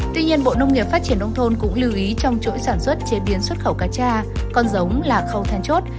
tuy nhiên bộ nông nghiệp phát triển đông thôn cũng lưu ý trong chuỗi sản xuất chế biến xuất khẩu cacha con giống là khâu than chốt